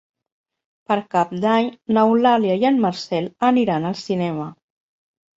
Per Cap d'Any n'Eulàlia i en Marcel aniran al cinema.